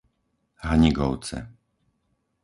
Hanigovce